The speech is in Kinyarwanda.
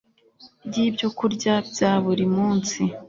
ry ibyokurya bya buri munsi